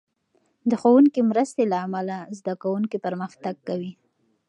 د ښوونکې مرستې له امله، زده کوونکي پرمختګ کوي.